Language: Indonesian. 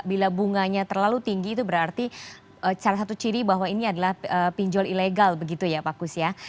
bila bunganya terlalu tinggi itu berarti salah satu ciri bahwa ini adalah pinjol ilegal begitu ya pak kus ya